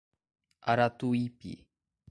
Aratuípe